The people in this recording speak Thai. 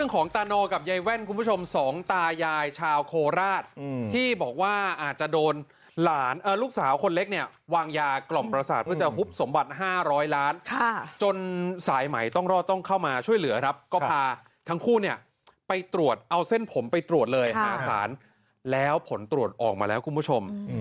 ของตาโนกับยายแว่นคุณผู้ชมสองตายายชาวโคราชที่บอกว่าอาจจะโดนหลานลูกสาวคนเล็กเนี่ยวางยากล่อมประสาทเพื่อจะหุบสมบัติ๕๐๐ล้านจนสายใหม่ต้องรอดต้องเข้ามาช่วยเหลือครับก็พาทั้งคู่เนี่ยไปตรวจเอาเส้นผมไปตรวจเลยหาสารแล้วผลตรวจออกมาแล้วคุณผู้ชม